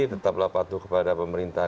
tetaplah patuh kepada perusahaan